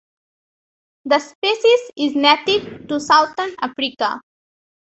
The species is native to southern Africa.